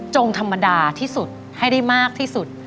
ธรรมดาที่สุดให้ได้มากที่สุด